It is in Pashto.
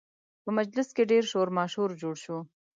په مجلس کې ډېر شور ماشور جوړ شو